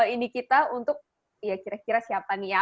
ini kita untuk ya kira kira siapa nih ya